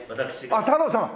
あっ太郎さん？